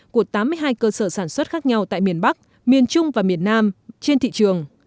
của tám mươi hai cơ sở sản xuất khác nhau tại miền bắc miền trung và miền nam trên thị trường